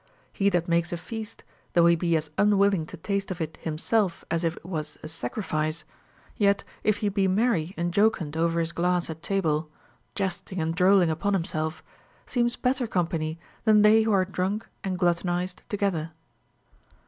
He that makes a feast, though he be as unwilling to taste of it himself as if it was a sacrifice, yet if he be merry and jocund over his glass at table, jesting and drolling upon himself, seems better company than they who are drunk and gluttonized together.